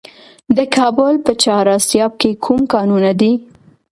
د کابل په چهار اسیاب کې کوم کانونه دي؟